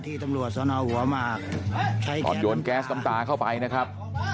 ตอนโยนแก๊สน้ำตาเข้าไปนะครับ